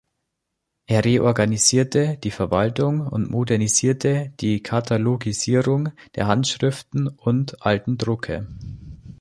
Er reorganisierte die Verwaltung und modernisierte die Katalogisierung der Handschriften und alten Drucke.